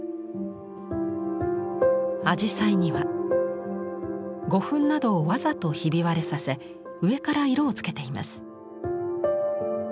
あじさいには胡粉などをわざとひび割れさせ上から色をつけています。